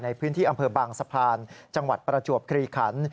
ในพื้นที่อำเภอบางสะพานจังหวัดประจวบคลีขัน